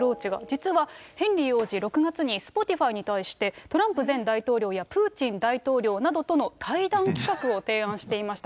実はヘンリー王子、６月にスポティファイに対して、トランプ前大統領やプーチン大統領などとの対談企画を提案していました。